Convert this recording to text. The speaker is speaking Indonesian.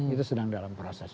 itu sedang dalam proses